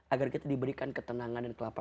agar kita diberikan ketenangan dan kelapa